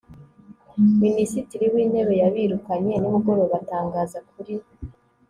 minisitiri w'intebe yabirukanye nimugoroba, atangaza kuri